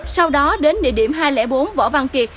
sau đó đến địa điểm hai trăm linh bốn võ văn kiệt